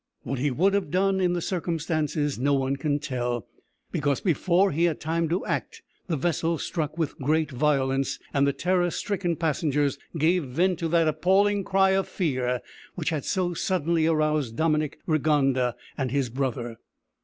What he would have done in the circumstances no one can tell, because before he had time to act the vessel struck with great violence, and the terror stricken passengers gave vent to that appalling cry of fear which had so suddenly aroused Dominick Rigonda and his brother.